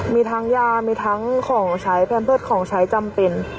มีทั้งยามีทั้งของใช้แพมเพิร์ตของใช้จำเป็น